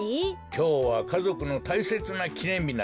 きょうはかぞくのたいせつなきねんびなんじゃぞ。